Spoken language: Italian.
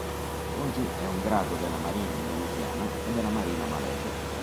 Oggi è un grado della marina indonesiana e della marina malese